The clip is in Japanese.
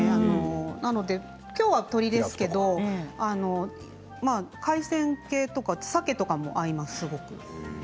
なのできょうは鶏ですけれども海鮮系とかお酒とかも合います、すごく。